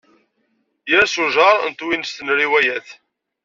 Ɣers ujar n twinest n riwayat.